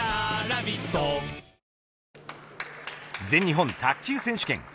全日本卓球選手権